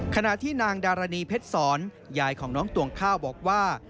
ขณะที่นางดารณีเพชรสอนยายของน้องตวงข้าวบอกว่า